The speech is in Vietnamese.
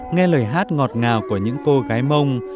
nghe lời hát ngọt ngào của những cô gái mông